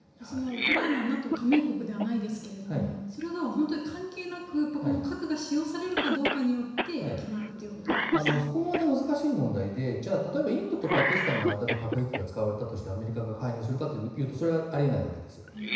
ウクライナはＮＡＴＯ加盟国ではないですがそれが本当に関係なく核が使用されるかどうかでそれも難しい問題で例えばインドとパキスタンの間で核兵器が使われたとしてそこにアメリカが介入するかというとそれはあり得ないわけです。